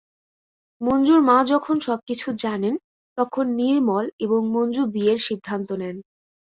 মঞ্জুর মা যখন সবকিছু জানেন তখন নির্মল এবং মঞ্জু বিয়ের সিদ্ধান্ত নেন।